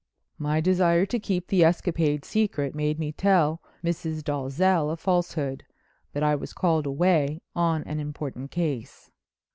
My desire to keep the escapade secret made me tell Mrs. Dalzell a falsehood—that I was called away on an important case.